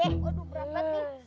aduh berat banget nih